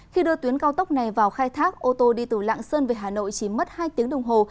khi đưa tuyến cao tốc này vào khai thác ô tô đi từ lạng sơn về hà nội chỉ mất hai tiếng đồng hồ